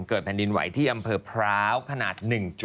แผ่นดินไหวที่อำเภอพร้าวขนาด๑๕